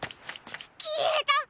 きえたっ！